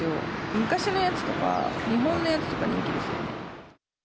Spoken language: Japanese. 昔のやつとか、日本のやつとか人気です。